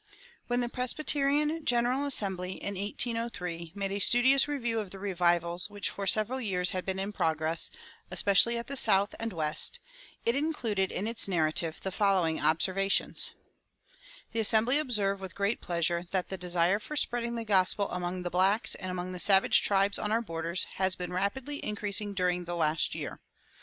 When the Presbyterian General Assembly, in 1803, made a studious review of the revivals which for several years had been in progress, especially at the South and West, it included in its "Narrative" the following observations: "The Assembly observe with great pleasure that the desire for spreading the gospel among the blacks and among the savage tribes on our borders has been rapidly increasing during the last year.